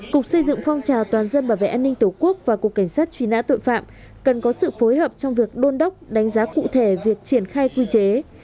cục xây dựng phong trào toàn dân bảo vệ an ninh tổ quốc và cục cảnh sát truy nã tội phạm cần có sự phối hợp trong việc đôn đốc đánh giá cụ thể việc triển khai quy chế